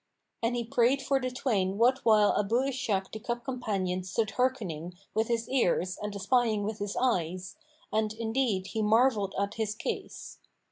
And he prayed for the twain what while Abu Ishak the cup companion stood hearkening with his ears and espying with his eyes, and indeed he marvelled at his case.